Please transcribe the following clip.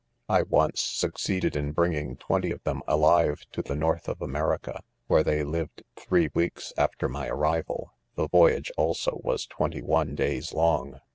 I once succeeded in bringing twenty of them alive to the north of America, ■where they. lived three weeks after my arrival j the voyage, also, was twenty one days long.